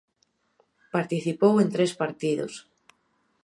Participou en tres partidos.